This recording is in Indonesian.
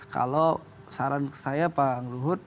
kalau saran saya pak luhut